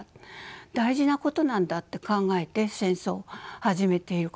大事なことなんだって考えて戦争を始めていることが書いてあります。